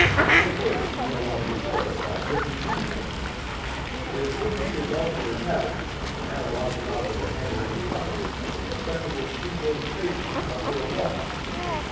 Of course she went along the forest side just as usual. But it seems she has altered her habits, and now walks about with her hands in her pockets, like a respectable Fribourg tradesman out for a walk."